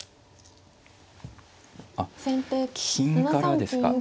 あっ金からですか。